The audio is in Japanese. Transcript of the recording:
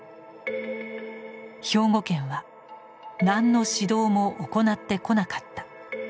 兵庫県は「何の指導も行ってこなかった」。